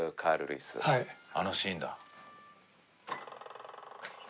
あのシーンだ。